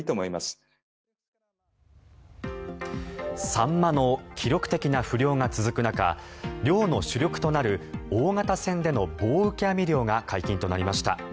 サンマの記録的な不漁が続く中漁の主力となる大型船での棒受け網漁が解禁となりました。